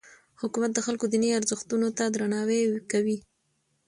حکومت د خلکو دیني ارزښتونو ته درناوی کوي.